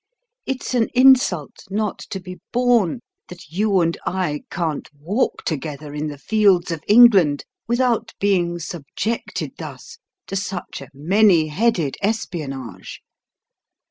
It's an insult not to be borne that you and I can't walk together in the fields of England without being subjected thus to such a many headed espionage.